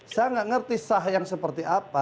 saya tidak mengerti sah yang seperti apa